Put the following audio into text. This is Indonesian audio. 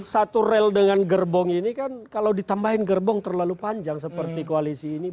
satu rel dengan gerbong ini kan kalau ditambahin gerbong terlalu panjang seperti koalisi ini